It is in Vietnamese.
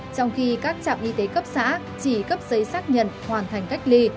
trong khi các trạm y tế cấp xã chỉ cấp giấy xác nhận hoàn thành cách ly